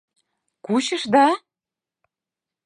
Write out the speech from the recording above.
Кучышда?!